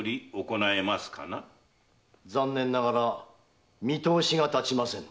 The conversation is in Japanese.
残念ながら見通しが立ちませぬ。